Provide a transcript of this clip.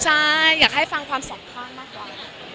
ใช่อยากให้ฟังความสองข้างมากกว่า